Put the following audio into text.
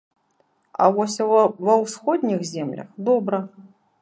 А вось ва ўсходніх землях добра.